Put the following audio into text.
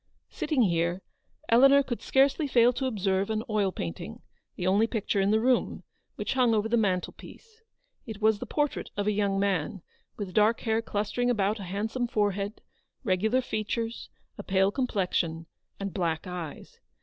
Sitting here, Eleanor could scarcely fail to observe an oil painting — the only picture in the room — which hung over the mantelpiece. It was the portrait of a young man, with dark hair clus tering about a handsome forehead, regular features, a pale complexion, and black eyes.